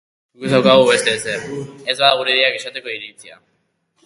Guk ez daukagu beste ezer, ez bada gure ideiak esateko iritzia.